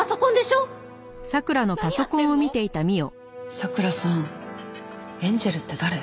桜さんエンジェルって誰？